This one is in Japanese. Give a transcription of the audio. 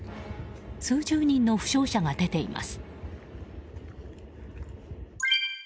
数十人の負傷者が出ています。